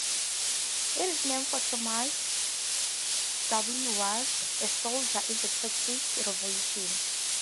It is named for Thomas W. Ward, a soldier in the Texas Revolution.